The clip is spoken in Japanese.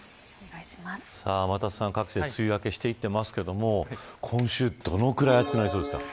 さあ、天達さん各地で梅雨明けしていきますが今週どのぐらい暑くなりそうですか。